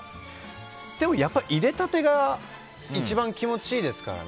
でも、やっぱり入れたてが一番気持ちいいですからね。